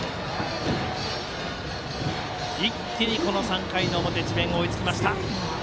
一気にこの３回の表智弁、追いつきました。